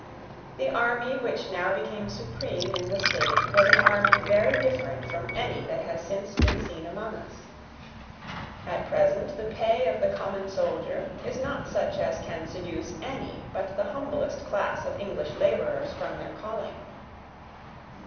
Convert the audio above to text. The army which now became supreme in the state was an army very different from any that has since been seen among us. At present the pay of the common soldier is not such as can seduce any but the humblest class of English labourers from their calling.